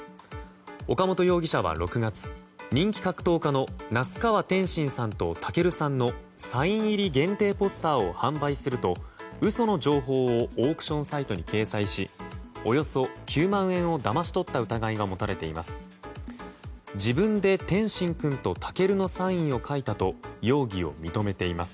岡本容疑者は６月人気格闘家の那須川天心さんと武尊さんのサイン入り限定ポスターを販売すると嘘の情報をオークションサイトに掲載しおよそ９万円をだまし取った疑いが持たれています。